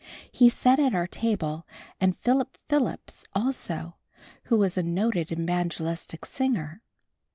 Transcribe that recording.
He sat at our table and Philip Phillips also, who is a noted evangelistic singer.